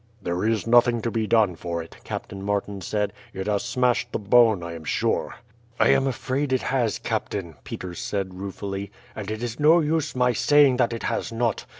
"There is nothing to be done for it," Captain Martin said. "It has smashed the bone, I am sure." "I am afraid it has, captain," Peters said ruefully; "and it is no use my saying that it has not.